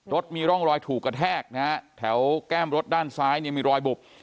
รถมีร่องรอยถูกกระแทกนะฮะแถวแก้มรถด้านซ้ายเนี่ยมีรอยบุบ